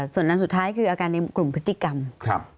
ส่วนอันสุดท้ายคืออาการในกลุ่มพฤติกรรม